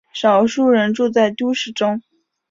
少数人住在都市中。